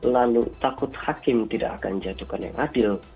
lalu takut hakim tidak akan jatuhkan yang adil